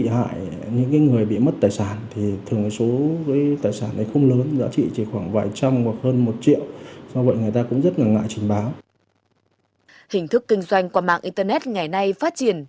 hình thức kinh doanh qua mạng internet ngày nay phát triển